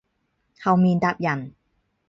後面搭人